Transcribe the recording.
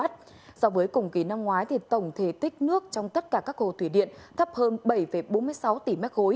so với cùng kỳ năm ngoái tổng thể tích nước trong tất cả các hồ thủy điện thấp hơn bảy bốn mươi sáu tỷ m ba